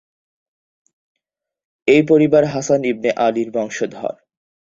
এই পরিবার হাসান ইবনে আলির বংশধর।